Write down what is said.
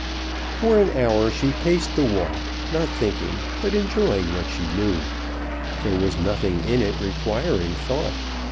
For an hour she paced the walk, not thinking, but enjoying what she knew. There was nothing in it requiring thought.